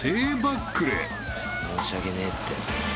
申し訳ねえって。